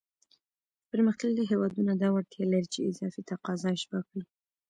پرمختللی هېوادونه دا وړتیا لري چې اضافي تقاضا اشباع کړي.